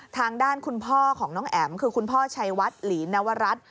ทางด้านคุณพ่อของน้องแอ๋มคือคุณพ่อชัยวัดหลีนวรัฐ